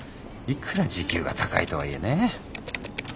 いくら時給が高いとはいえね。